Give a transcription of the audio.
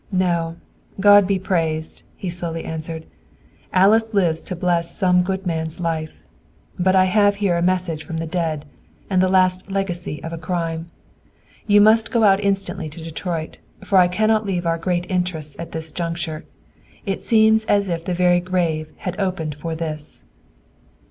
"No! God be praised!" he slowly answered. "Alice lives to bless some good man's life! But I have here a message from the dead, and the last legacy of a crime! You must go out instantly to Detroit, for I cannot leave our great interests at this juncture. It seems as if the very grave had opened for this!"